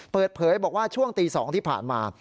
เปิดเผยบอกว่าช่วงตี๒ที่ผ่านมา